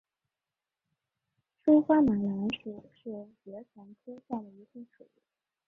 疏花马蓝属是爵床科下的一个属。